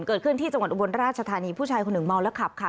เกิดขึ้นที่จังหวัดอุบลราชธานีผู้ชายคนหนึ่งเมาแล้วขับค่ะ